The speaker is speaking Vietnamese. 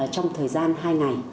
trong thời gian hai ngày